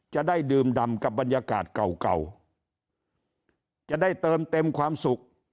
จะได้ดื่มดำกับบรรยากาศเก่าเก่าจะได้เติมเต็มความสุข